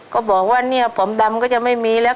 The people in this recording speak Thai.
ก็บอกว่าเนี่ยปอมดำก็จะไม่มีแล้ว